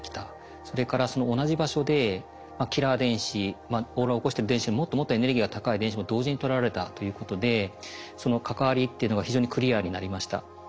それからその同じ場所でキラー電子オーロラを起こしてる電子よりもっともっとエネルギーが高い電子も同時にとらえたということでその関わりっていうのが非常にクリアになりました。